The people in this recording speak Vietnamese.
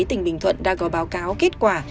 tỉnh bình thuận đã có báo cáo kết quả